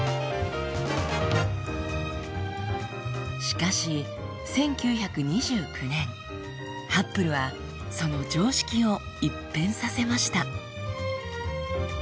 しかし１９２９年ハッブルはその常識を一変させました。